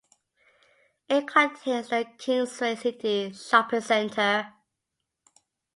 It contains the Kingsway City shopping centre.